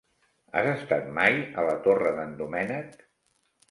Has estat mai a la Torre d'en Doménec?